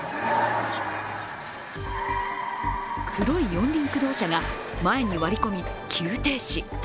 黒い四輪駆動車が前に割り込み急停止。